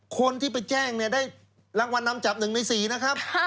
คนที่ไปแจ้งเนี่ยได้รางวัลนำจับ๑ใน๔นะครับ